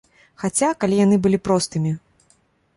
Хаця, калі яны былі простымі!